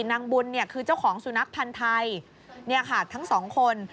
นางบุญคือเจ้าของสุนัขพันธ์ไทยทั้งสองคน